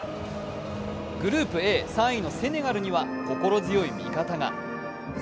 グループＡ、３位のセネガルには心強い味方が。